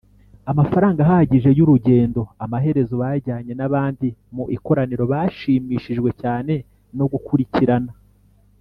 amafaranga ahagije y urugendo Amaherezo bajyanye n abandi mu ikoraniro Bashimishijwe cyane no gukurikirana